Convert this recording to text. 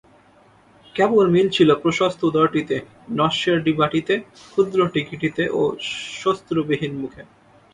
কেবল মিল ছিল প্রশস্ত উদরটিতে, নস্যের ডিবাটিতে, ক্ষুদ্র টিকিটিতে ও শ্মশ্রুবিহীন মুখে।